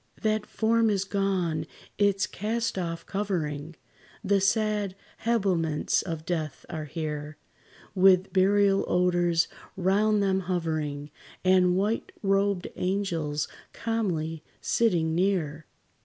That form is gone; its cast off covering, The sad habiliments of death, are here, With burial odors round them hovering, And white robed angels calmly sitting near.